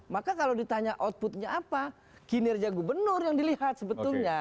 maka kalau ditanya outputnya apa kinerja gubernur yang dilihat sebetulnya